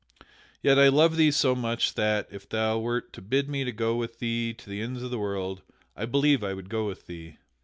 Yet I love thee so much that, if thou wert to bid me go with thee to the ends of the world, I believe I would go with thee."